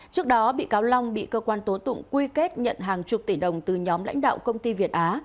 trước đó bị cáo long bị cơ quan tố tụng quy kết nhận hàng chục tỷ đồng từ nhóm lãnh đạo công ty việt á